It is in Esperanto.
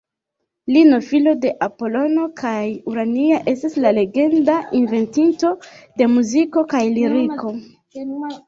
Lino filo de Apolono kaj Urania estas la legenda inventinto de muziko kaj liriko.